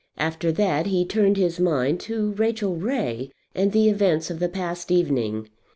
After that he turned his mind to Rachel Ray and the events of the past evening.